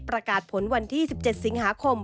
ประกาศผลวันที่๑๗สิงหาคม